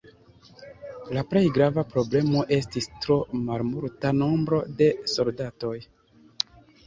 La plej grava problemo estis tro malmulta nombro de soldatoj.